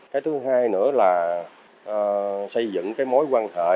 cái thứ hai nữa là xây dựng cái mối quan hệ